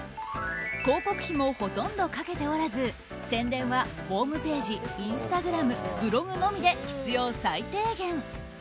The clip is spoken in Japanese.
広告費もほとんどかけておらず宣伝はホームページインスタグラム、ブログのみで必要最低限。